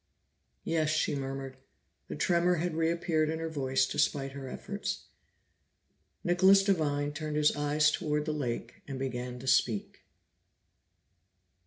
"Yes," she murmured. The tremor had reappeared in her voice despite her efforts. Nicholas Devine turned his eyes toward the lake and began to speak.